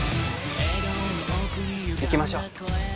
行きましょう。